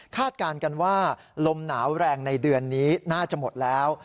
การกันว่าลมหนาวแรงในเดือนนี้น่าจะหมดแล้ว